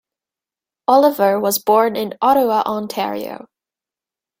Oliver was born in Ottawa, Ontario.